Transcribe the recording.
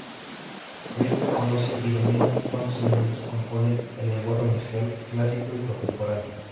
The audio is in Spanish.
Prieto conoce y domina cuantos elementos componen el lenguaje musical clásico y contemporáneo.